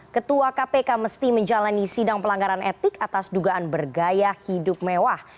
ketua kpk mesti menjalani sidang pelanggaran etik atas dugaan bergaya hidup mewah